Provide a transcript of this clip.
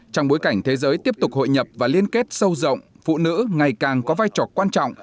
trong bối cảnh thế giới tiếp tục hội nhập và liên kết sâu rộng phụ nữ ngày càng có vai trò quan trọng